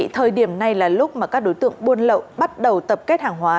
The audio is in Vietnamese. thời điểm này là lúc mà các đối tượng buôn lậu bắt đầu tập kết hàng hóa